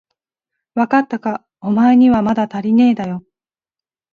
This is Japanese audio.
わかったか、おまえにはまだたりねえだよ。